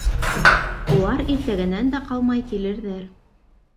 — Улар иртәгәнән дә ҡалмай килерҙәр.